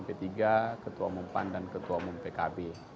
p tiga ketua umum pan dan ketua umum pkb